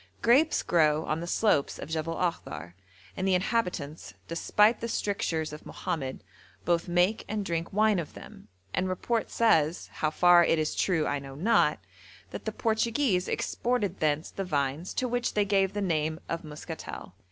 Grapes grow on the slopes of Jebel Akhdar, and the inhabitants, despite the strictures of Mohammed, both make and drink wine of them, and report says (how far it is true I know not) that the Portuguese exported thence the vines to which they gave the name of muscatel.